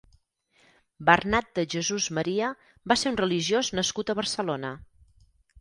Bernat de Jesús Maria va ser un religiós nascut a Barcelona.